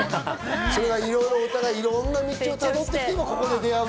それが、お互いいろんな道をたどってきて、ここで出会う。